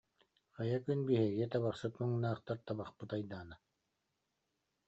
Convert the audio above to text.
Хайа күн биһиги, табахсыт муҥнаахтар, табахпыт айдаана